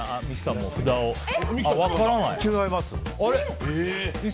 違います。